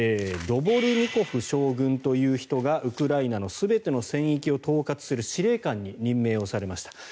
ドボルニコフ将軍という人がウクライナの全ての戦域を統括する司令官に任命されました。